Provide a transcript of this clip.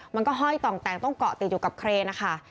ห้อยต่องแต่งต้องเกาะติดอยู่กับเครนนะคะ